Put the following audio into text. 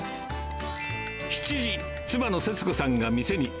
７時、妻の節子さんが店に。